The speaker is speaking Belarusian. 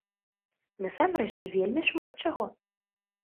Насамрэч, вельмі шмат чаго!